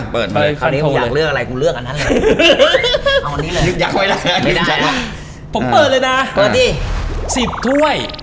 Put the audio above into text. เปิดอีกมากเลยนี่อีกอะไรกูเลือกอันนั้นเลยเอานี่เลย